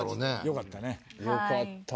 よかったな。